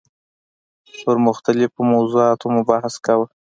پر مختلفو موضوعاتو مو بحث کاوه.